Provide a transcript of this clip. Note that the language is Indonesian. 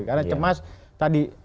karena cemas tadi